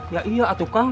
ya iya atuh kang